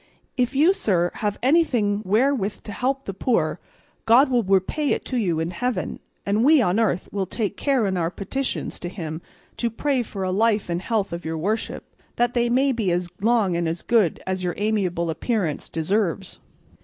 If you, sir, have anything wherewith to help the poor, God will repay it to you in heaven, and we on earth will take care in our petitions to him to pray for the life and health of your worship, that they may be as long and as good as your amiable appearance deserves."